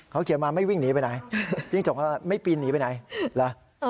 เขาเขียนมาไม่วิ่งหนีไปไหนจิ้งจกไม่ปีนหนีไปไหนเหรอ